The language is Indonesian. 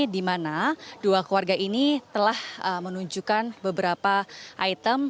dimana dua keluarga ini telah menunjukkan beberapa item